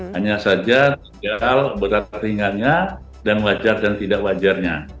hanya saja tinggal berat ringannya dan wajar dan tidak wajarnya